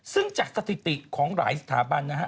ซึ่งจากสถิติของหลายสถาบันนะฮะ